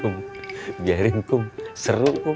biarin kum seru kum